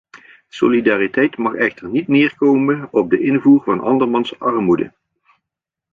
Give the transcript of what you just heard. Solidariteit mag echter niet neerkomen op de invoer van andermans armoede.